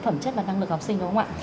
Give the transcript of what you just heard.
phẩm chất và năng lực học sinh